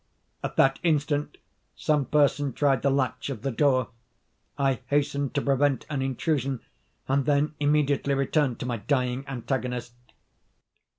At that instant some person tried the latch of the door. I hastened to prevent an intrusion, and then immediately returned to my dying antagonist.